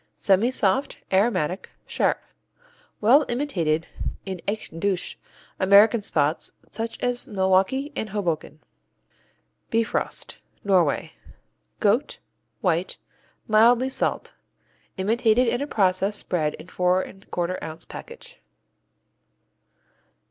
Semisoft; aromatic; sharp. Well imitated in echt Deutsche American spots such as Milwaukee and Hoboken. Bifrost Norway Goat; white; mildly salt. Imitated in a process spread in 4 1/4 ounce package.